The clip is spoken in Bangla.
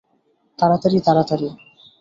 তাড়াতাড়ি, তাড়াতাড়ি!